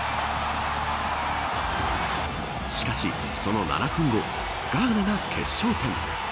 しかし、その７分後ガーナが決勝点。